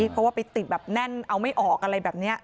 เพราะว่าไปติดแบบแน่นเอาไม่ออกอะไรแบบนี้